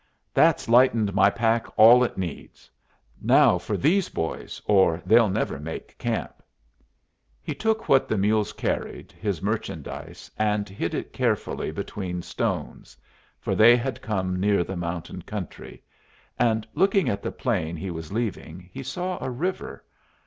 "That's lightened my pack all it needs. Now for these boys, or they'll never make camp." He took what the mules carried, his merchandise, and hid it carefully between stones for they had come near the mountain country and, looking at the plain he was leaving, he saw a river.